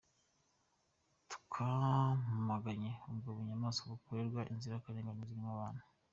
Twamaganye ubwo bunyamaswa bukorerwa inzirakarengane zirimo n’abana.